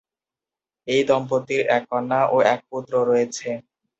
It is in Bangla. এই দম্পতির এক কন্যা ও এক পুত্র রয়েছে।